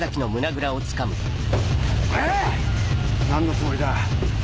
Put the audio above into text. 何のつもりだ？